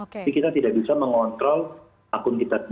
jadi kita tidak bisa mengontrol akun kita sendiri